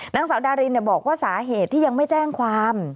นางสาวดารินบอกว่าสาเหตุที่ยังไม่แจ้งความ